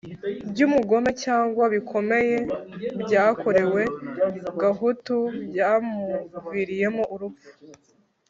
by ubugome cyangwa bikomeye byakorewe gahutu byamuviriyemo urupfu